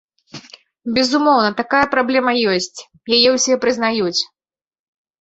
Безумоўна, такая праблема ёсць, яе ўсе прызнаюць.